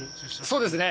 そうですね。